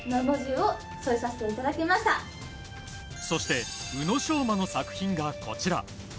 そして、宇野昌磨の作品がこちら。